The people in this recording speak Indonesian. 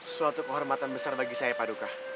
suatu kehormatan besar bagi saya paduka